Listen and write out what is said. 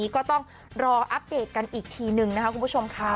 คือคือว่าต้องรออัพเด็ตกันอีกทีนึงนะคะคุณผู้ชมค่ะ